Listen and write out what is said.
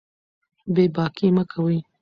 بې باکي مه کوئ.